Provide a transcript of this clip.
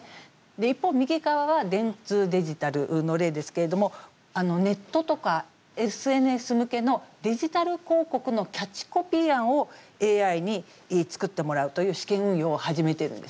一方右側は電通デジタルの例ですけれどもネットとかＳＮＳ向けのデジタル広告のキャッチコピー案をＡＩに作ってもらうという試験運用を始めているんですね。